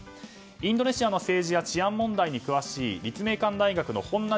インドネシアの政治や治安問題に詳しい立命館大学の本名